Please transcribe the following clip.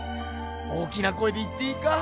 大きな声で言っていいか？